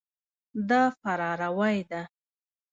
دا فراروی ده.